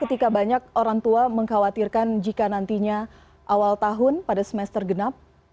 ketika banyak orang tua mengkhawatirkan jika nantinya awal tahun pada semester genap